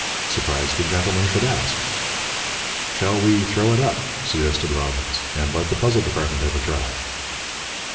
Surprised the gentlemen should ask. "Shall we throw it up?" suggested Robbins, "and let the puzzle department have a try?"